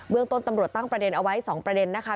เรื่องต้นตำรวจตั้งประเด็นเอาไว้๒ประเด็นนะคะ